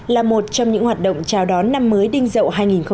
là một trong những hoạt động chào đón năm mới đinh dậu hai nghìn một mươi bảy